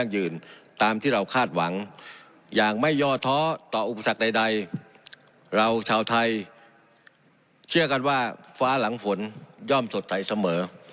เชื่อต่ออุปสรรคใดเราชาวไทยเชื่อกันว่าฟ้าหลังฝนย่อมสดใสเสมอ